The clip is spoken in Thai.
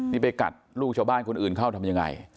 นี่ไปกัดลูกชาวบ้านคนอื่นเข้าทำยังไง